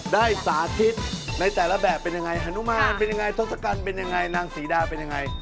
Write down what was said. สาธิตในแต่ละแบบเป็นยังไงฮานุมานเป็นยังไงทศกัณฐ์เป็นยังไงนางศรีดาเป็นยังไง